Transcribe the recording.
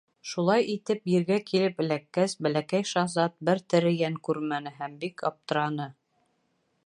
Шулай итеп, ергә килеп эләккәс, Бәләкәй шаһзат бер тере йән күрмәне һәм бик аптыраны.